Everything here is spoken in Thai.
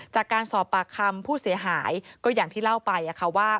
จากการสอบปากคำผู้เสียหายก็อย่างที่เล่าไปว่า